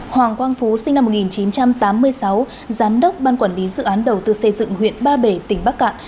hoàng quang phú sinh năm một nghìn chín trăm tám mươi sáu giám đốc ban quản lý dự án đầu tư xây dựng huyện ba bể tỉnh bắc cạn